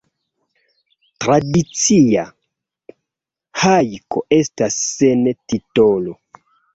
Tradicia hajko estas sen titolo.